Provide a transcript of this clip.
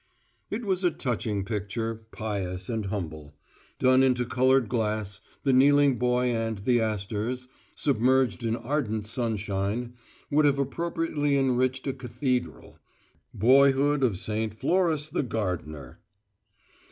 It was a touching picture, pious and humble. Done into coloured glass, the kneeling boy and the asters submerged in ardent sunshine would have appropriately enriched a cathedral: Boyhood of Saint Florus the Gardener.